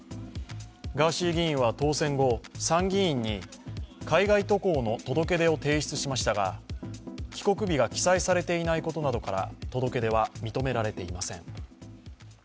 ガーシー議員は当選後、参議院に海外渡航の届け出を提出しましたが帰国日が記載されていないことなどから届け出は認められていません。